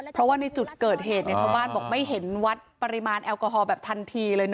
เพราะว่าในจุดเกิดเหตุชาวบ้านบอกไม่เห็นวัดปริมาณแอลกอฮอลแบบทันทีเลยนะ